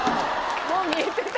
もう見えてた。